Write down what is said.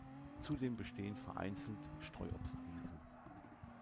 Zudem bestehen vereinzelt Streuobstwiesen.